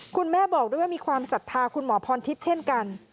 คุณแม่บอกด้วยว่ามีความศรัทธาคุณหมอพรทิพย์เช่นกัน